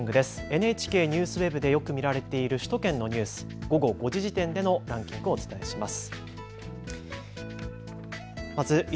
ＮＨＫＮＥＷＳＷＥＢでよく見られている首都圏のニュース、午後５時時点でのランキング、お伝えします。